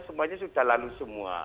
semuanya sudah lalu semua